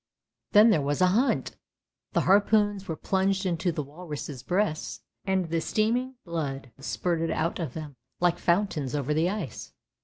"" Then there was a hunt! The harpoons were plunged into the walruses' breasts, and the steaming blood spurted out of them, like fountains over the ice.